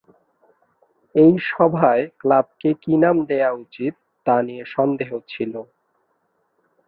এই সভায় ক্লাবকে কি নাম দেওয়া উচিত তা নিয়ে সন্দেহ ছিল।